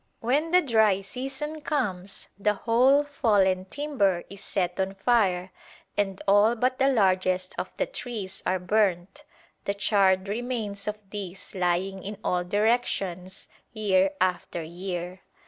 When the dry season comes the whole fallen timber is set on fire and all but the largest of the trees are burnt, the charred remains of these lying in all directions year after year.